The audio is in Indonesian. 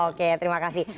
oke terima kasih